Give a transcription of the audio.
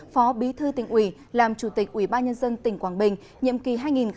phó bí thư tỉnh ủy làm chủ tịch ủy ban nhân dân tỉnh quảng bình nhiệm kỳ hai nghìn một mươi sáu hai nghìn hai mươi một